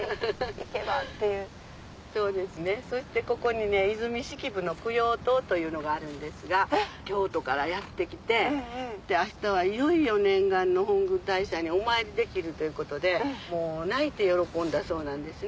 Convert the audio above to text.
そしてここにね和泉式部の供養塔というのがあるんですが京都からやって来てあしたはいよいよ念願の本宮大社にお参りできるということで泣いて喜んだそうなんですね。